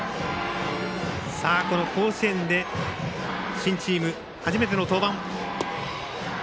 この甲子園で新チーム初めての登板。